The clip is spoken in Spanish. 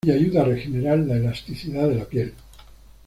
Y ayuda a regenerar la elasticidad de la piel.